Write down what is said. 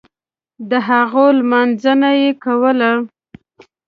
دهغو لمانځنه یې کوله.